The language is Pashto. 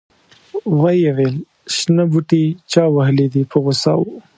ویې ویل شنه بوټي چا وهلي دي په غوسه و.